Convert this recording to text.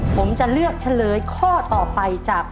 ผมจะเลือกเฉลยข้อต่อไปจาก